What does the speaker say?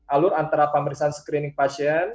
alur antara pemeriksaan screening pasien